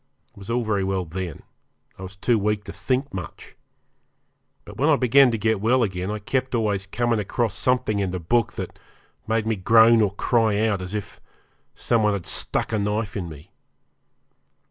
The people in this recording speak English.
It was all very well then; I was too weak to think much. But when I began to get well again I kept always coming across something in the book that made me groan or cry out, as if some one had stuck a knife in me.